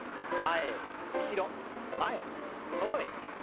前後ろ前そろえて。